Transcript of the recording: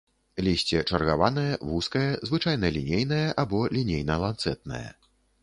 Лісце чаргаванае, вузкае, звычайна лінейнае або лінейна-ланцэтнае.